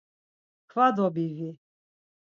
Kva dobivi.